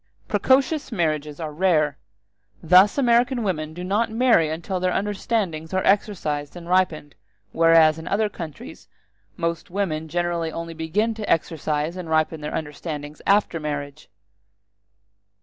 Precocious marriages are rare. Thus American women do not marry until their understandings are exercised and ripened; whereas in other countries most women generally only begin to exercise and to ripen their understandings after marriage.